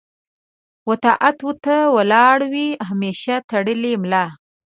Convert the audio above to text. و طاعت و ته ولاړ وي همېشه تړلې ملا